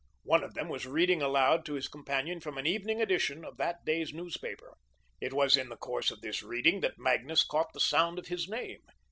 One of them was reading aloud to his companion from an evening edition of that day's newspaper. It was in the course of this reading that Magnus caught the sound of his name.